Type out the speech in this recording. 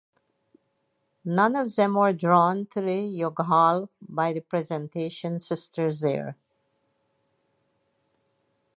None of them were drawn in youghal by the Presentation sisters there.